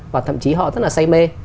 và thậm chí họ rất là say mê